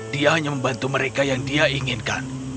dia hanya membantu mereka yang dia inginkan